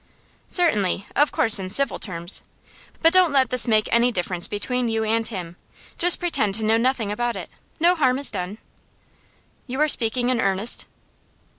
'Certainly. Of course in civil terms. But don't let this make any difference between you and him. Just pretend to know nothing about it; no harm is done.' 'You are speaking in earnest?